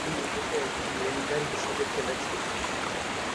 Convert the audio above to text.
তিনি মূলত একজন উইঙ্গার হিসেবে খেলেছেন।